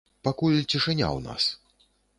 Пакуль цішыня ў нас.